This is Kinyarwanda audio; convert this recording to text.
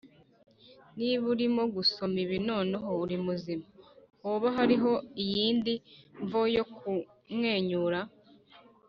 niba urimo usoma ibi noneho uri muzima! hoba hariho iyindi mvo yo kumwenyura?